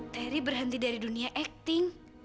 teri berhenti dari dunia akting